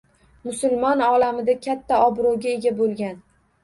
Musulmon olamida katta obro‘ga ega bo‘lgan.